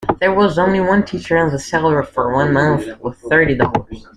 There was only one teacher and the salary for one month was thirty dollars.